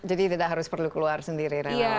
jadi tidak harus perlu keluar sendiri relawannya